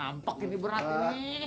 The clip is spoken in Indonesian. ampok ini berat nih